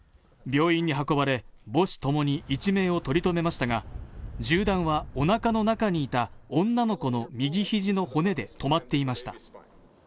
病院に運ばれ、母子ともに一命を取り留めましたが銃弾はおなかの中にいた女の子の右肘の骨で止まっていました。